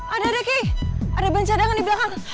ada deh kay ada ban cadangan di belakang